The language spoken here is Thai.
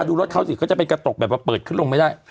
อะดูรถเขาสิก็จะเป็นแบบเปิดขึ้นลงไม่ได้